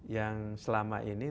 yang selama ini